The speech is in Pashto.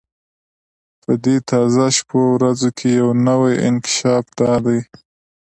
په دې تازه شپو ورځو کې یو نوی انکشاف دا دی.